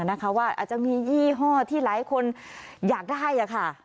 อาจจะมียี่ห้อที่หลายคนอยากได้ค่ะ